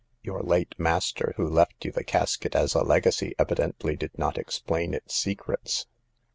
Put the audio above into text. Your late master, who left 3^ou the casket as a legacy, evidently did not explain its secrets.